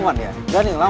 biarin aja biar dia belajar